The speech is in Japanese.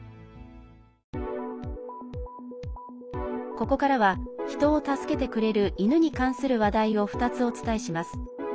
ここからは、人を助けてくれる犬に関する話題を２つお伝えします。